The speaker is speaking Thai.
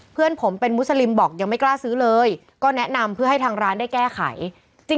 เพื่อนผมเป็นมุสลิมบอกยังไม่กล้าซื้อเลยก็แนะนำเพื่อให้ทางร้านได้แก้ไข